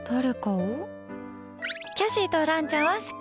キャシーと蘭ちゃんは好き！